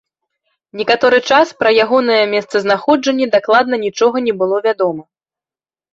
Некаторы час пра ягонае месцазнаходжанне дакладна нічога не было вядома.